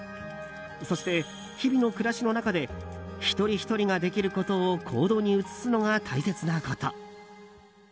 そして、日々の暮らしの中で一人ひとりができることを行動に移すのが大切なこと。